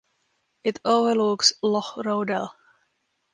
It overlooks Loch Rodel.